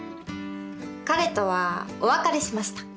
彼とはお別れしました。